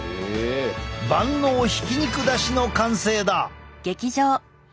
万能ひき肉だしの完成だ！